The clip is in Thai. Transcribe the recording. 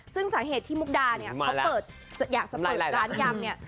ซึ่งสาเหตุที่มุกดาเนี่ยเขาเปิดอยากจะเปิดร้านยำเนี่ย